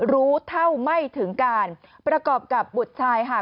รู้เท่าไม่ถึงการประกอบกับบุตรชายหาด